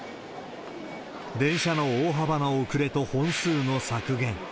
電車の大幅な遅れと本数の削減。